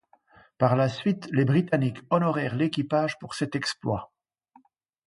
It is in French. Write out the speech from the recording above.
Par la suite, les Britanniques honorèrent l'équipage pour cet exploit.